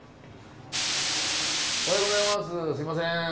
おはようございますすいません。